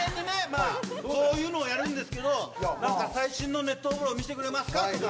まあこういうのをやるんですけどなんか最新の熱湯風呂を見せてくれますか？とか。